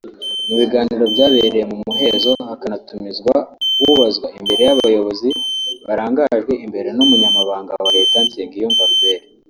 Mu biganiro byabereye mu muhezo hakanatumizwa ubazwa imbere y’Abayobozi barangajwe imbere n’Umunyamabanga wa Leta Nsengiyumva Albert